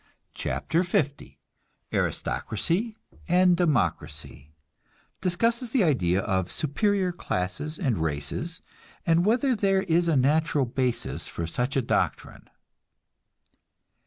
CHAPTER L ARISTOCRACY AND DEMOCRACY (Discusses the idea of superior classes and races, and whether there is a natural basis for such a doctrine.)